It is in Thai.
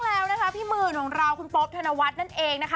ถูกต้องแล้วนะคะพี่หมื่นอยู่ของเราคุณโป๊ปธนวัดนั่นเองนะคะ